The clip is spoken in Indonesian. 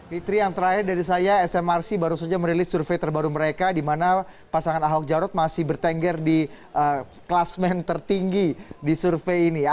fitri yang terakhir dari saya smrc baru saja merilis survei terbaru mereka di mana pasangan ahok jarot masih bertengger di kelas main tertinggi di survei ini